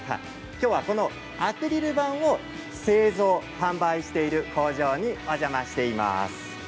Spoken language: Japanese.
きょうはこのアクリル板を製造、販売している工場にお邪魔しています。